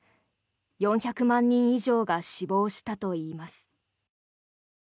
４００万人以上が死亡したといいます。